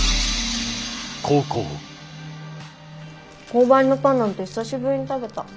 購買のパンなんて久しぶりに食べた。